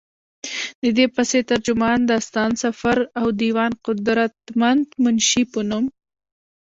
ددې پسې، ترجمان، داستان سفر او ديوان قدرمند منشي پۀ نوم